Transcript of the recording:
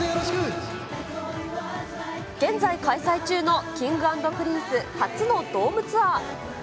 現在開催中のＫｉｎｇ＆Ｐｒｉｎｃｅ初のドームツアー。